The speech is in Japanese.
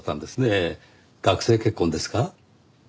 学生結婚ですか？